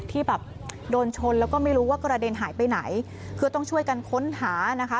ที่แบบโดนชนแล้วก็ไม่รู้ว่ากระเด็นหายไปไหนคือต้องช่วยกันค้นหานะคะ